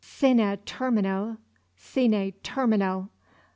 "Sine termino sine termino!"